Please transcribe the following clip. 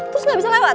terus gak bisa lewat